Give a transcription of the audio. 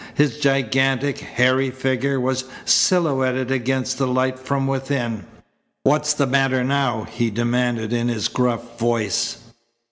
His gigantic, hairy figure was silhouetted against the light from within. "What's the matter now?" he demanded in his gruff voice.